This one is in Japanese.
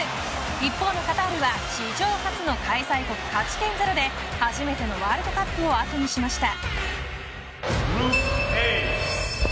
一方のカタールは史上初の開催国勝ち点０で初めてのワールドカップを後にしました。